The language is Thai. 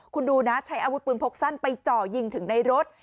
คุณดูนะใช้อาวุธปืนพกสั้นไปเจาะยิงถึงในรถ